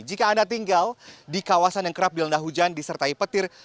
jika anda tinggal di kawasan yang kerap dilendah hujan disertai petir